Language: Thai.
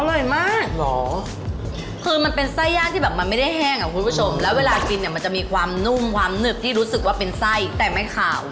อร่อยมากเหรอคือมันเป็นไส้ย่างที่แบบมันไม่ได้แห้งอ่ะคุณผู้ชมแล้วเวลากินเนี่ยมันจะมีความนุ่มความหนึบที่รู้สึกว่าเป็นไส้แต่ไม่ขาว